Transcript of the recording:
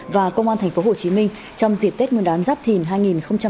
và công an tp hồ chí minh trong dịp tết nguyên đán giáp thìn hai nghìn hai mươi bốn